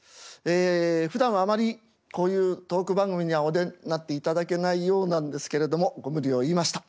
ふだんはあまりこういうトーク番組にはお出になっていただけないようなんですけれどもご無理を言いました。